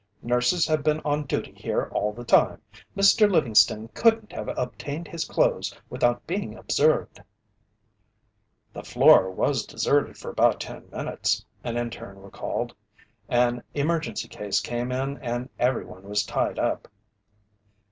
"Nurses have been on duty here all the time. Mr. Livingston couldn't have obtained his clothes without being observed." "The floor was deserted for about ten minutes," an interne recalled. "An emergency case came in and everyone was tied up."